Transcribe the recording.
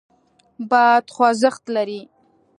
باد خوځښت لري.